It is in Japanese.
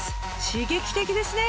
刺激的ですね！